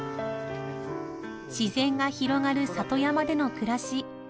自然が広がる里山での暮らし。